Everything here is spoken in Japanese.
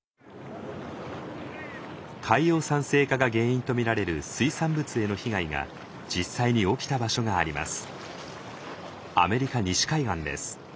海洋酸性化が原因と見られる水産物への被害が実際に起きた場所があります。